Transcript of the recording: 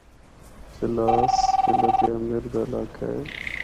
چلاس ضلع دیامر دا علاقہ ہے۔